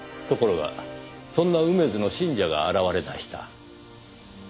ところがそんな梅津の信者が現れ出した。